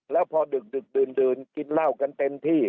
แล้วพอดึกดื่นกินเหล้ากันเต็มที่